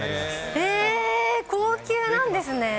えー、高級なんですね。